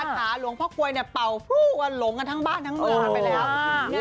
ทัศนาหลวงพ่อกลวยเนี่ยเป่าหลงกันทั้งบ้านทั้งเหนือไปแล้ว